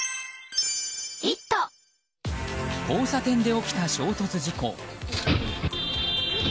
交差点で起きた衝突事故。